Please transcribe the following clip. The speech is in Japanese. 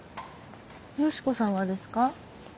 美子さんがですか？